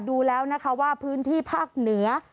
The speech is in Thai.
ดูแล้วนะคะว่าพื้นที่ภาคเหนือ